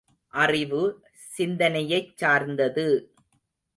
அறிவு, சிந்தனையைச் சார்ந்தது!